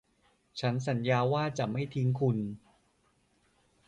ฉันสัญญาว่าจะไม่ทิ้งคุณ